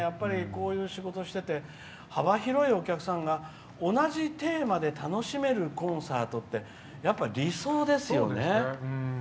こういう仕事してて幅広いお客さんが同じテーマで楽しめるコンサートってやっぱり理想ですよね。